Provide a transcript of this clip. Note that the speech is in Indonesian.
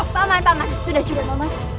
paman paman sudah cukup momen